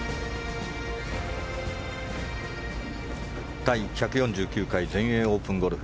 第１４９回全英オープンゴルフ。